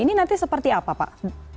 ini nanti seperti apa pak